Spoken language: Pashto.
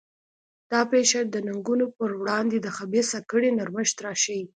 دا پېښه د ننګونو پر وړاندې د خبیثه کړۍ نرمښت راښيي.